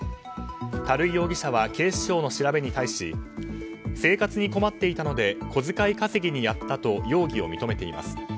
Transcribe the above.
垂井容疑者は警視庁の調べに対し生活に困っていたので小遣い稼ぎにやったと容疑を認めています。